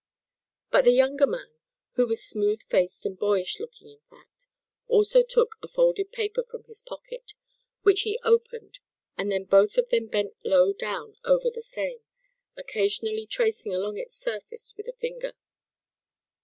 But the younger man, who was smooth faced and boyish looking in fact, also took a folded paper from his pocket, which he opened and then both of them bent low down over the same, occasionally tracing along its surface, with a finger.